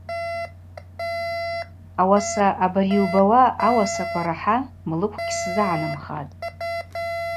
Ауаса абари йубауа ауасаква рахӏа млыкв гьсзыгӏанымхатӏ.